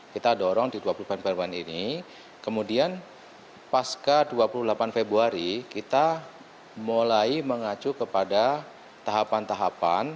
kita dorong di dua puluh empat bumn ini kemudian pas ke dua puluh delapan februari kita mulai mengacu kepada tahapan tahapan